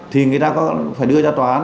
thì người ta có phải đưa ra tòa án